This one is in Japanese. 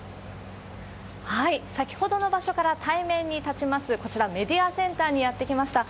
先ほどの場所から対面に建ちます、こちらメディアセンターにやって来ました。